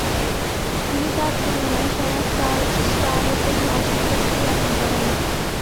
তিনি তার তুলনায় সেরা চার্লস স্টাডের প্রতি অসন্তুষ্টিজ্ঞাপন করেন।